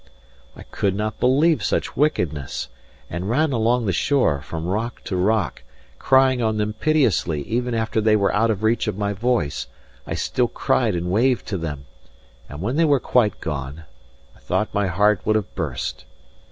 I could not believe such wickedness, and ran along the shore from rock to rock, crying on them piteously even after they were out of reach of my voice, I still cried and waved to them; and when they were quite gone, I thought my heart would have burst.